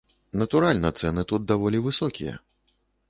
Натуральна, цэны тут даволі высокія.